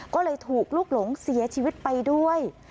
ก็เลยถูกลูกหลงเสียชีวิตไปด้วย